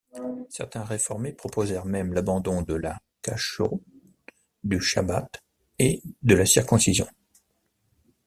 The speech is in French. Certains réformés proposèrent même l'abandon de la cacherout, du chabbat et de la circoncision.